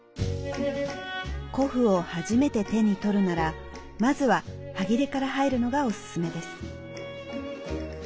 古布を初めて手に取るならまずはハギレから入るのがオススメです。